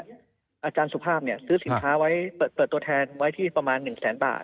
อาจารย์สุภาพซื้อสินค้าไว้เปิดตัวแทนไว้ที่ประมาณ๑แสนบาท